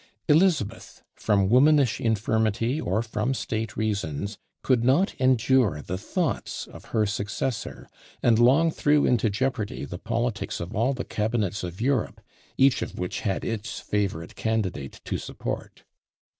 Elizabeth, from womanish infirmity, or from state reasons, could not endure the thoughts of her successor; and long threw into jeopardy the politics of all the cabinets of Europe, each of which had its favourite candidate to support.